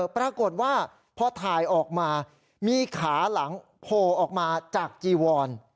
ปรากฏว่าพอถ่ายออกมามีขาหลังโผล่ออกมาจากจีวอน